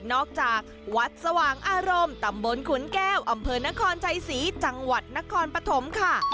วัดสว่างอารมณ์ตำบลขุนแก้วอำเภอนครชัยศรีจังหวัดนครปฐมค่ะ